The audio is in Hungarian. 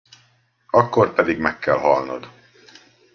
Akkor pedig meg kell halnod!